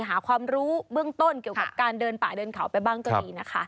หาความรู้เบื้องต้นเกี่ยวกับการเดินป่าเดินเขาไปบ้างก็ดีนะคะ